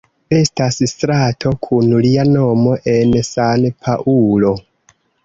Estas strato kun lia nomo en San-Paŭlo.